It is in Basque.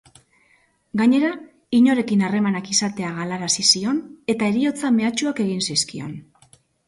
Gainera, inorekin harremanak izatea galarazi zion, eta heriotza-mehatxuak egin zizkion.